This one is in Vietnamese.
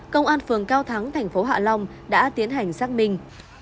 công an phường cao thắng thành phố hạ long đã tiến hành xác minh